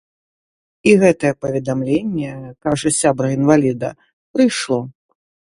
І гэтае паведамленне, кажа сябра інваліда, прыйшло.